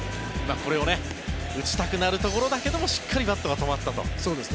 これを打ちたくなるところだけどもしっかりバットは止まったと。